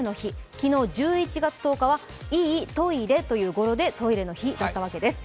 昨日１１月１０日はいいトイレという語呂でトイレの日だったんです。